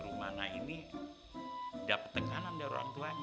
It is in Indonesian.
rumana ini dapet tekanan dari orang tuanya